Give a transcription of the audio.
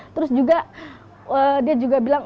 terus juga dia juga bilang